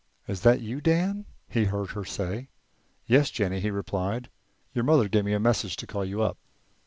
"Is that you, Dan?" he heard her say. "Yes, Jennie," he replied; "your mother gave me your message to call you up."